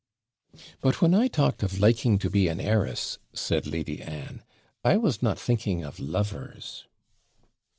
But when I talked of liking to be an heiress,' said Lady Anne, 'I was not thinking of lovers.'